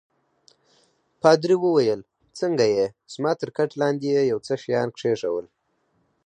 پادري وویل: څنګه يې؟ زما تر کټ لاندي يې یو څه شیان کښېښوول.